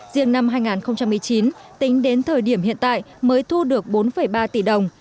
riêng năm hai nghìn một mươi chín tính đến thời điểm hiện tại mới thu được bốn ba tỷ đồng